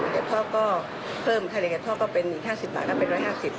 เดี๋ยวท่อก็เพิ่มทะเลกับท่อก็เป็นอีกห้าสิบบาทก็เป็นร้อยห้าสิบ